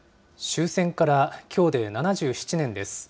終戦からきょうで７７年です。